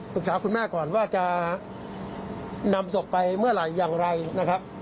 คุณแม่ก่อนว่าจะนำศพไปเมื่อไหร่อย่างไรนะครับ